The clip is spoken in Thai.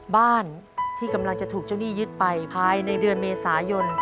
บ้านที่กำลังจะถูกเจ้าหนี้ยึดไปภายในเดือนเมษายน